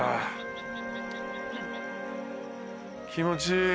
気持ちいい。